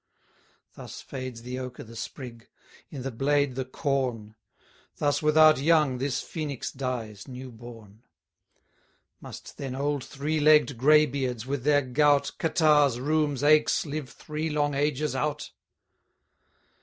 Thus fades the oak i' the sprig, i' the blade the corn; Thus without young, this Phoenix dies, new born: 80 Must then old three legg'd graybeards, with their gout, Catarrhs, rheums, aches, live three long ages out?